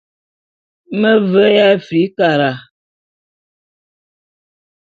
Me veya Afrikara.